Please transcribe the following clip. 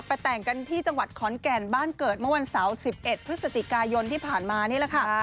แต่งกันที่จังหวัดขอนแก่นบ้านเกิดเมื่อวันเสาร์๑๑พฤศจิกายนที่ผ่านมานี่แหละค่ะ